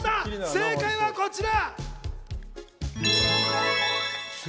正解はこちら！